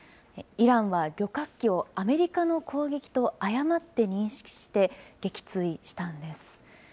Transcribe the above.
イランは旅客機をアメリカの攻撃と誤って認識して撃墜したんです。